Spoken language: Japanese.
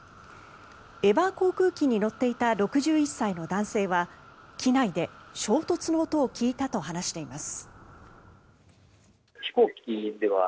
エバー航空機に乗っていた６１歳の男性は機内で衝突の音を聞いたと話しています。